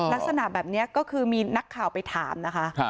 ลักษณะแบบนี้ก็คือมีนักข่าวไปถามนะคะ